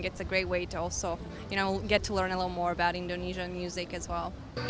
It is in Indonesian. jadi saya pikir itu juga cara yang bagus untuk mendengar lebih banyak tentang musik indonesia